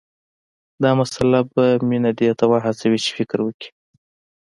دا مسله به مينه دې ته وهڅوي چې فکر وکړي